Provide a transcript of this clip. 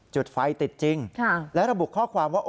จุดไฟติดจริงและระบุข้อความว่า